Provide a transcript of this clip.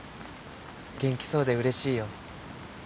元気そうでうれしいよ